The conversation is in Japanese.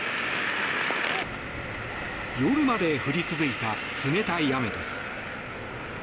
夜まで降り続いた冷たい雨です。